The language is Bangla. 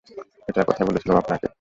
এটার কথাই বলছিলাম আপনাকে।